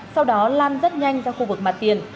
sau đó lan rất nhanh ra khu vực mặt tiền